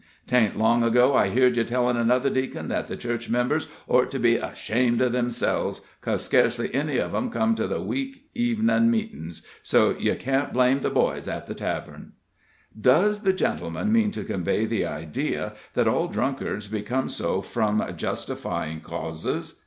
'Taint long ago I heerd ye tellin' another deacon that the church members ort to be 'shamed of 'emselves, 'cos sca'cely any of 'em come to the week evenin' meetin's, so ye can't blame the boys at the tavern." "Does the gentleman mean to convey the idea that all drunkards become so from justifying causes?"